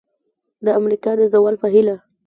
د امریکا د زوال په هیله!